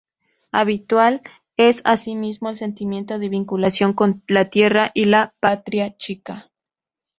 Habitual es asimismo el sentimiento de vinculación con la tierra y la patria chica.